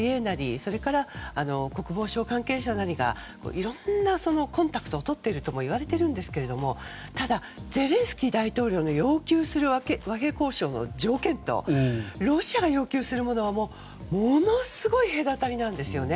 それから国防省関係者なりがいろんなコンタクトをとっているといわれているんですがただ、ゼレンスキー大統領の要求する和平交渉の条件とロシアが要求するものはものすごい隔たりなんですよね。